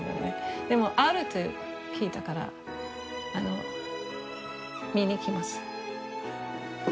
でもあるって聞いたから見に行きます。